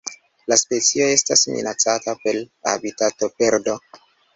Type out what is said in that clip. La specio estas minacata per habitatoperdo.